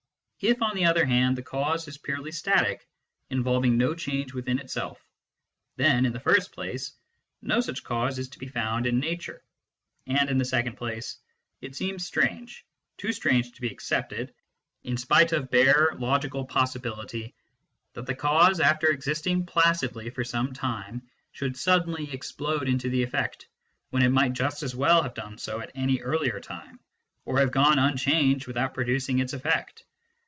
If, on the other hand, the cause is purely static, involving no change within itself, then, in the first place, no such cause is to be found in nature, and in the second place, it seems strange too strange to be accepted, in spite of bare ON THE NOTION OF CAUSE 185 logical possibility that the cause, after existing placidly for some time, should suddenly explode into the effect, when it might just as well have done so at any earlier time, or have gone on unchanged without producing its effect.